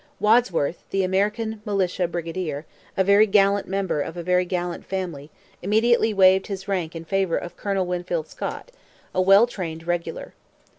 Wadsworth, the American militia brigadier, a very gallant member of a very gallant family, immediately waived his rank in favour of Colonel Winfield Scott, a well trained regular.